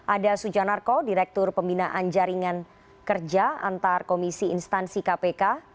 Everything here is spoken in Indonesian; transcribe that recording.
ada sujanarko direktur pembinaan jaringan kerja antar komisi instansi kpk